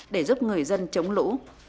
để giúp người dân chống lũ